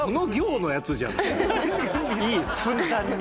ふんだんに。